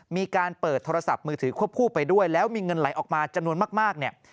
มีการเปิดโทรศัพท์มือถือควบคู่ไปด้วยแล้วมีเงินไหลออกมาจำนวนมากเนี่ย